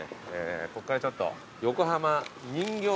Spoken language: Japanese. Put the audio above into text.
ここからちょっと。